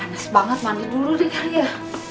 panas banget mandi dulu deh ya